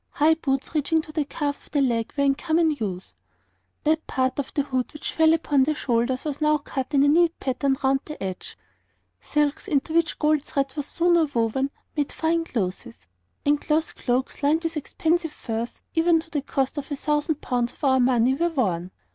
High boots reaching to the calf of the leg were in common use. That part of the hood which fell upon the shoulders was now cut in a neat pattern round the edge. Silks, into which gold thread was sewn or woven, made fine clothes, and cloth cloaks lined with expensive furs, even to the cost of a thousand pounds of our money, were worn.